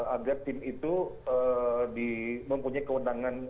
agar tim itu mempunyai kewenangan